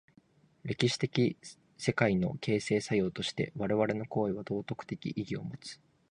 歴史的世界の形成作用として我々の行為は道徳的意義を有つ。